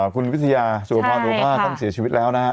คุณวิทยาสุวพรโอภาษท่านเสียชีวิตแล้วนะฮะ